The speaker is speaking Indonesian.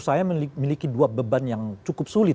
apa itu bang untuk membuat sby nya memiliki dua beban yang cukup sulit